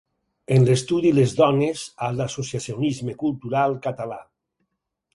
En l’estudi Les dones a l’associacionisme cultural català.